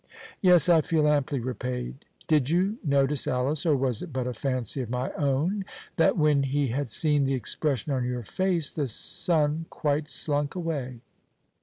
Yes, I feel amply repaid. Did you notice, Alice, or was it but a fancy of my own, that when he had seen the expression on your face the sun quite slunk away?"